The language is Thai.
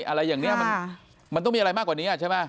อะไรอย่างนี้มันต้องมีอะไรมากกว่านี้ใช่ไหม